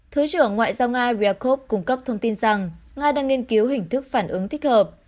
thứ trưởng ngoại giao nga ryakov cung cấp thông tin rằng nga đang nghiên cứu hình thức phản ứng thích hợp